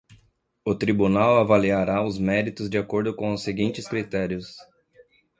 O Tribunal avaliará os méritos de acordo com os seguintes critérios.